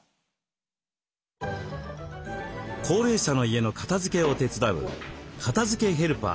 高齢者の家の片づけを手伝う「片づけヘルパー」